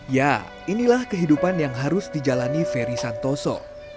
ya inilah kehidupan yang harus dijalani ferry santoso